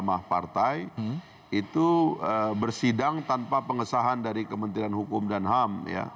mahkamah partai itu bersidang tanpa pengesahan dari kementerian hukum dan ham